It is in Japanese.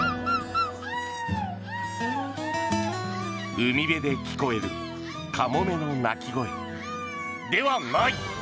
海辺で聞こえるカモメの鳴き声ではない。